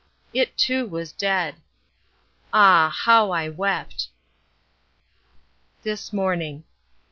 It too was dead. Ah, how I wept— This Morning.